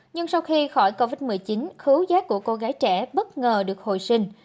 nhưng sau khi khỏi covid một mươi chín khứu giác của cô gái trẻ bất ngờ được hồi sinh